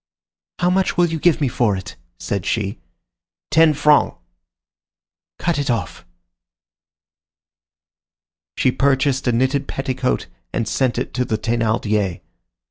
"How much will you give me for it?" said she. "Ten francs." "Cut it off." She purchased a knitted petticoat and sent it to the Thénardiers.